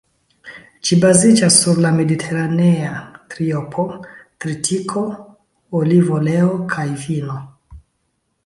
Ĝi baziĝas sur la ""mediteranea triopo"": tritiko, olivoleo kaj vino.